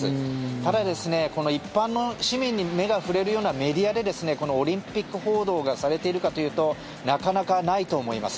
ただ、一般の市民に目が触れるようなメディアでこのオリンピック報道がされているかというとなかなかないと思います。